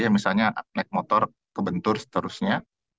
misalnya naik motor kebentur seterusnya